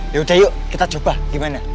yaudah yuk kita coba gimana